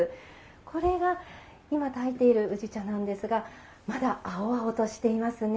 これが今、たいている宇治茶なんですがまだ、青々としていますね。